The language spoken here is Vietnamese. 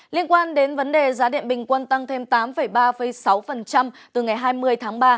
liên quan đến vấn đề giá điện bình quân tăng thêm tám ba sáu từ ngày hai mươi tháng ba